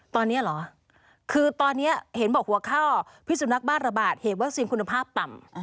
ตอนนี้เหรอคือตอนนี้เห็นบอกหัวข้อพิสุนักบ้าระบาดเหตุวัคซีนคุณภาพต่ำ